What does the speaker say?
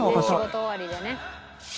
仕事終わりでね。